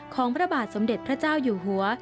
พระบาทสมเด็จพระเจ้าอยู่หัว